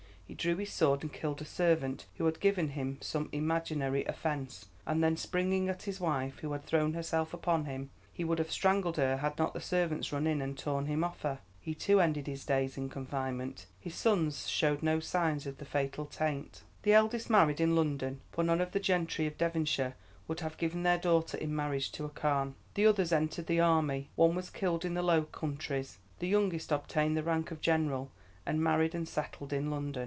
He drew his sword and killed a servant who had given him some imaginary offence, and then, springing at his wife, who had thrown herself upon him, he would have strangled her had not the servants run in and torn him off her. He, too, ended his days in confinement. His sons showed no signs of the fatal taint. "The eldest married in London, for none of the gentry of Devonshire would have given their daughter in marriage to a Carne. The others entered the army; one was killed in the Low Countries, the youngest obtained the rank of general and married and settled in London.